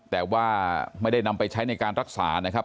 แต่ว่าไม่ได้นำไปใช้ในการรักษานะครับ